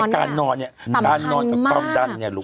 การนอนเนี่ยสำคัญมาก